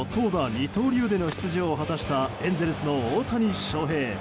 二刀流での出場を果たしたエンゼルスの大谷翔平。